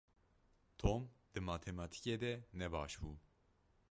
Tom di matematîkê de ne baş bû.